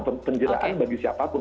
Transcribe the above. penjeraan bagi siapapun